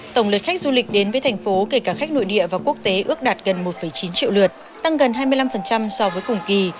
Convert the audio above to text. tổng lượt khách du lịch đến với thành phố kể cả khách nội địa và quốc tế ước đạt gần một chín triệu lượt tăng gần hai mươi năm so với cùng kỳ